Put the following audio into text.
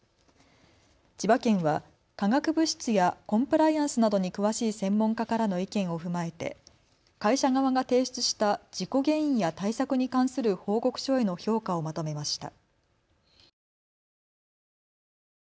千葉県は化学物質やコンプライアンスなどに詳しい専門家からの意見を踏まえて会社側が提出した事故原因や対策に関する報告書への評価をまとめました。